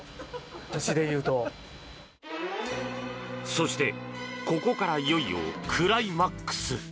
そして、ここからいよいよクライマックス。